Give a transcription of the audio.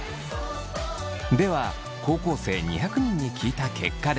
では高校生２００人に聞いた結果です。